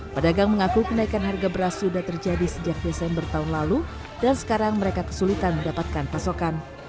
pedagang mengaku kenaikan harga beras sudah terjadi sejak desember tahun lalu dan sekarang mereka kesulitan mendapatkan pasokan